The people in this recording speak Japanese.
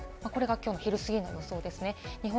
これがきょうの昼すぎの予想です。